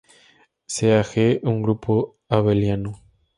Sea "G" un grupo abeliano.